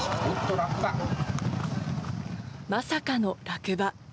まさかの落馬。